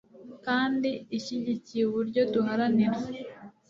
kandi ishyigikiye uburyo duharanira